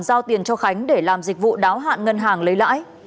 giao tiền cho khánh để làm dịch vụ đáo hạn ngân hàng lấy lãi